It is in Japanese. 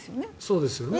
そうですよね。